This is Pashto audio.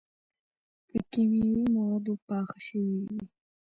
پۀ کيماوي موادو پاخۀ شوي وي